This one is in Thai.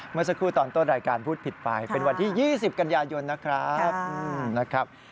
เมื่อสักครู่ตอนต้นรายการพูดผิดไปเป็นวันที่๒๐กันยายนนะครับ